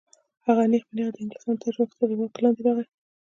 هند نیغ په نیغه د انګلستان د تاج تر واک لاندې راغی.